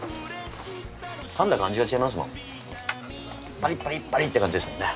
パリッパリッパリッて感じですもんね。